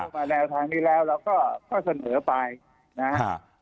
มาแนวทางนี้แล้วเราก็เสนอไปนะฮะ